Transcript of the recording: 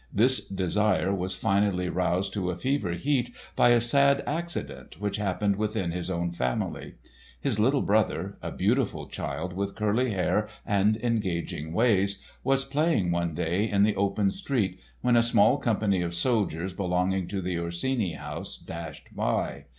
This desire was finally roused to a fever heat by a sad accident which happened within his own family. His little brother, a beautiful child with curly hair and engaging ways, was playing one day in the open street when a small company of soldiers belonging to the Orsini house dashed by.